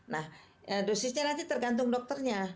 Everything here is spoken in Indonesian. nah dosisnya nanti tergantung dokternya